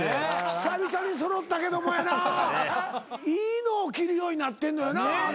久々に揃ったけどもやないいのを着るようになってんのよな。